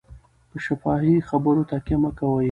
په شفاهي خبرو تکیه مه کوئ.